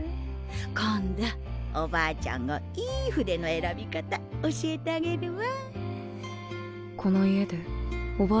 今度おばあちゃんのいい筆の選び方教えてあげるわ。